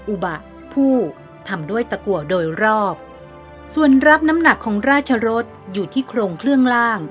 อุบะผู้ทำด้วยตะกัวโดยรอบส่วนรับน้ำหนักของราชรสอยู่ที่โครงเครื่องล่าง